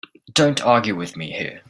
Don't argue with me here.